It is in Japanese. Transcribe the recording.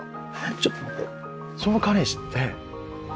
ちょっと待ってその彼氏って俺？